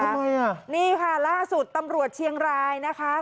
ทำไมอ่ะนี่ค่ะล่าสุดตำรวจเชียงรายนะคะ